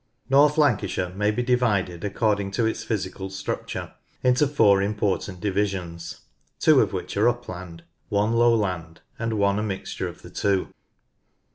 North Lancashire may be divided according to its physical structure into four important divisions, two of which are upland, one lowland, and one a mixture of the two.